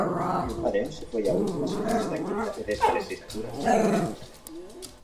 A de hoxe foi a última xornada de actividade desta lexislatura no Parlamento galego.